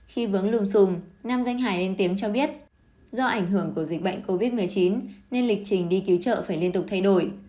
khi vướng lùm xùm nam danh hải anh tiến cho biết do ảnh hưởng của dịch bệnh covid một mươi chín nên lịch trình đi cứu trợ phải liên tục thay đổi